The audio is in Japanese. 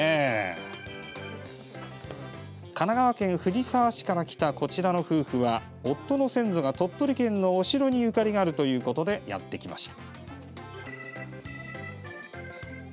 神奈川県藤沢市から来たこちらの夫婦は夫の先祖が鳥取県のお城にゆかりがあるということでやってきました。